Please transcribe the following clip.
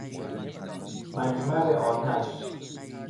مجمر آتش